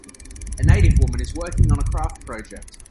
A native woman is working on a craft project.